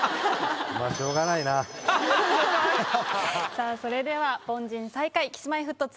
さあそれでは凡人最下位Ｋｉｓ−Ｍｙ−Ｆｔ２